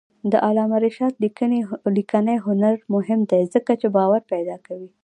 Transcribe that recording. د علامه رشاد لیکنی هنر مهم دی ځکه چې باور پیدا کوي.